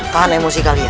paham emosi kalian